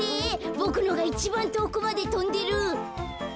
ボクのがいちばんとおくまでとんでる。